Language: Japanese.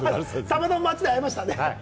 たまたま街で会いましたね。